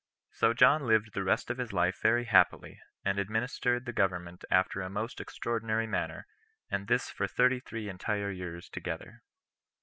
So John lived the rest of his life very happily, and administered the government after a most extraordinary manner, and this for thirty three entire years together.